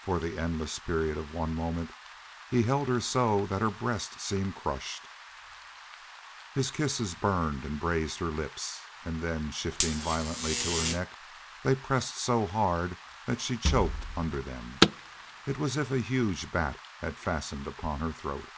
For the endless period of one moment he held her so that her breast seemed crushed. His kisses burned and braised her lips. And then, shifting violently to her neck, they pressed so hard that she choked under them. It was as if a huge bat had fastened upon her throat.